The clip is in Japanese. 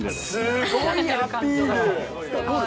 すごいアピール。